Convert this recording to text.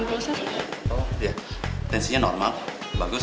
oh iya tensinya normal bagus